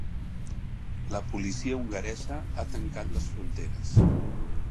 La policia hongaresa ha tancat les fronteres